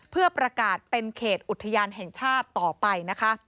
เพื่อประกาศเป็นเขตอุทยานแห่งชาติต่อไปนะคะ